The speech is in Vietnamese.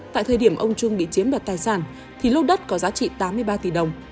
tại thời điểm ông trung bị chiếm đoạt tài sản thì lô đất có giá trị tám mươi ba tỷ đồng